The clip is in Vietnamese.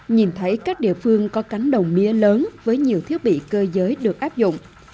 nhìn thấy các địa phương có cánh đồng mía lớn với nhiều thiết bị cơ giới được áp dụng